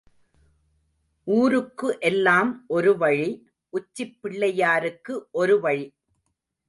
ஊருக்கு எல்லாம் ஒரு வழி உச்சிப் பிள்ளையாருக்கு ஒரு வழி.